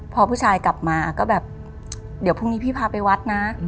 พอผู้ชายกลับมาก็แบบเดี๋ยวพรุ่งนี้พี่พาไปวัดนะ